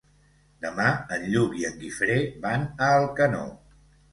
Demà en Lluc i en Guifré van a Alcanó.